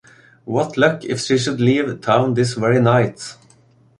What luck if she should leave town this very night!